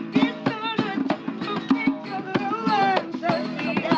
disuruh mungkin keberuan setia